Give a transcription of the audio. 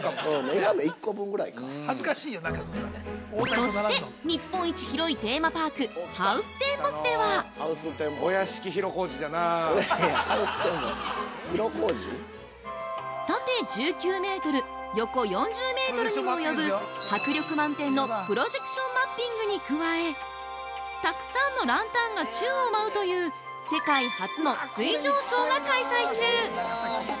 ◆そして日本一広いテーマパークハウステンボスでは縦１９メートル横４０メートルにも及ぶ迫力満点のプロジェクションマッピングに加えたくさんのランタンが宙を舞うという世界初の水上ショーが開催中！